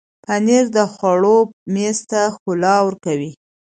پنېر د خوړو میز ته ښکلا ورکوي.